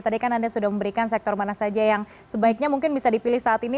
tadi kan anda sudah memberikan sektor mana saja yang sebaiknya mungkin bisa dipilih saat ini